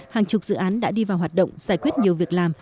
hàng chục dự án đã đi vào hoạt động giải quyết nhiều việc làm